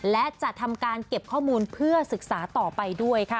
และจะทำการเก็บข้อมูลเพื่อศึกษาต่อไปด้วยค่ะ